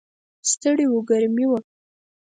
ستړي و، ګرمي وه.